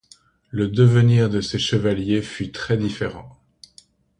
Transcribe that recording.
Le devenir de ces chevaliers fut très différent.